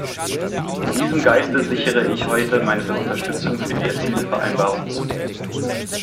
In diesem Geiste sichere ich heute meine Unterstützung für die erzielte Vereinbarung zu.